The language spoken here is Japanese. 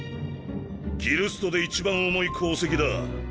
ギルストで一番重い鉱石だ。